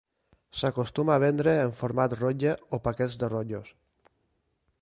S'acostuma a vendre en format rotlle o en paquets de rotllos.